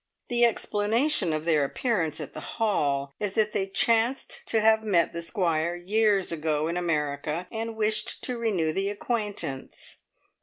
The explanation of their appearance at the Hall is that they "chanced" to have met the Squire years ago in America, and wished to renew the acquaintance.